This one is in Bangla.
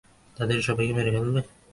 তাদের সবাইকে মেরে ফেলবে?